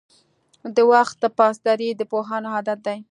• د وخت پاسداري د پوهانو عادت دی.